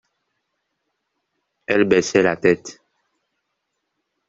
Elle baissait la tête.